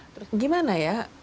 terus gimana ya